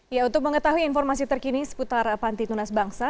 ya untuk mengetahui informasi terkini seputar panti tunas bangsa